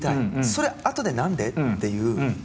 それ後で何で？っていう。